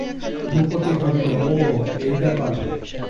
ভূপতি ভাবিল, ওঃ, এই ব্যাপার।